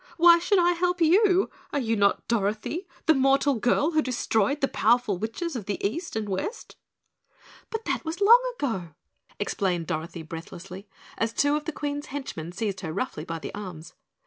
"Why should I help you? Are you not Dorothy, the mortal girl who destroyed the powerful Witches of the East and West?" "But that was long ago," explained Dorothy breathlessly as two of the Queen's henchmen seized her roughly by the arms.